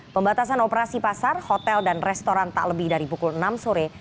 pembatasan operasi pasar hotel dan restoran tak lebih dari pukul enam sore